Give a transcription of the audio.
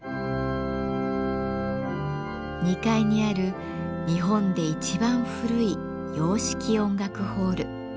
２階にある日本で一番古い洋式音楽ホール。